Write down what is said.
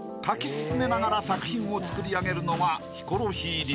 進めながら作品を作りあげるのがヒコロヒー流］